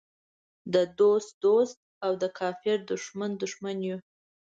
د دوست دوست او د کافر دښمن دښمن یو.